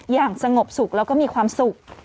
อย่างสงบสุขแล้วก็มีความสุข